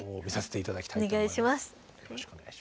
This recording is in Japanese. お願いします。